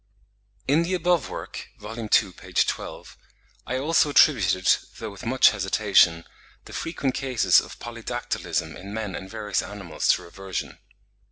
In the above work (vol. ii. p. 12), I also attributed, though with much hesitation, the frequent cases of polydactylism in men and various animals to reversion.